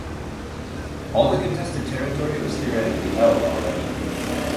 All the contested territory was theoretically "held" already.